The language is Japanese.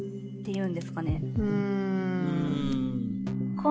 うん。